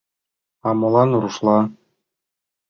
А молан рушла?